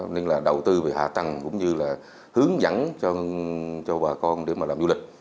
nên là đầu tư về hạ tăng cũng như là hướng dẫn cho bà con để mà làm du lịch